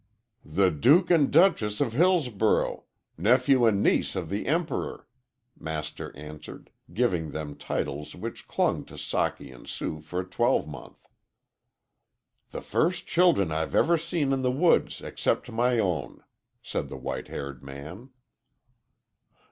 "The Duke and Duchess of Hillsborough nephew and niece of the Emperor," Master answered, giving them titles which clung to Socky and Sue for a twelvemonth. "The first children I've ever seen in the woods except my own," said the white haired man.